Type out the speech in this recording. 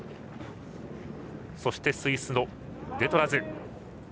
そしてスイスのデトラズ。